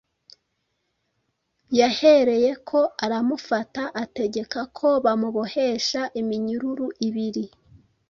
Yahereyeko “aramufata, ategeka ko bamubohesha iminyururu ibiri,